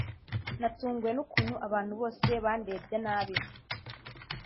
natunguwe n’ukuntu abantu bose bandebye nabi